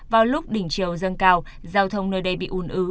vào lúc đỉnh chiều dâng cao giao thông nơi đây bị ùn ứ